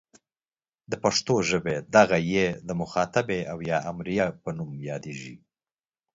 د پښتو ژبې دغه ئ د مخاطبې او یا امریه په نوم یادیږي.